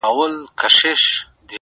روح مي نو څه وخت مهربانه په کرم نیسې،